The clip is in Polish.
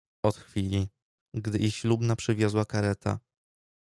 Od chwili, gdy ich ślubna przywiozła kareta